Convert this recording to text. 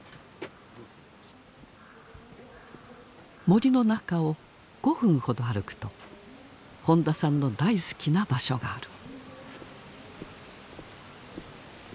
森の中を５分ほど歩くと本田さんの大好きな場所がある。